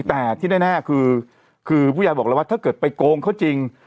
แต่ที่แน่คือผู้ใหญ่บอกแล้วว่าถ้าเกิดไปโกงเขาจริง